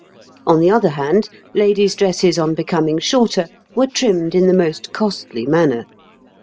On the other hand, ladies' dresses on becoming shorter were trimmed in the most costly manner.